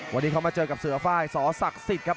วันนี้เขามาเจอกับเสือไฟล์สอศักดิ์สิทธิ์ครับ